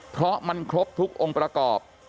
เพราะมันครบทุกองค์ประกอบ